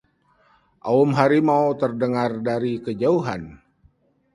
aum harimau terdengar dari kejauhan